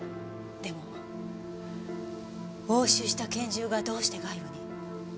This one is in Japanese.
でも押収した拳銃がどうして外部に。